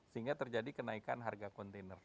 sehingga terjadi kenaikan harga kontainer